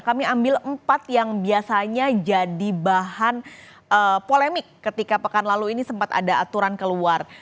kami ambil empat yang biasanya jadi bahan polemik ketika pekan lalu ini sempat ada aturan keluar